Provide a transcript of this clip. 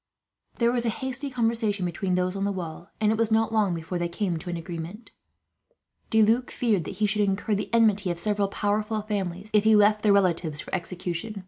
There was a hasty conversation between those on the wall, and it was not long before they came to an agreement. De Luc feared that he should incur the enmity of several powerful families, if he left their relatives for execution.